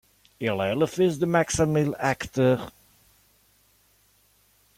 Il est le fils de Max Amyl, acteur.